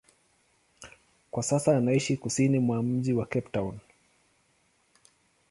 Kwa sasa anaishi kusini mwa mji wa Cape Town.